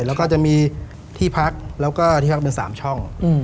แล้วก็จะมีที่พักแล้วก็ที่พักเป็น๓ช่อง